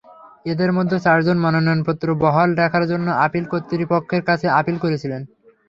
এদের মধ্যে চারজন মনোনয়নপত্র বহাল রাখার জন্য আপিল কর্তৃপক্ষের কাছে আপিল করেছিলেন।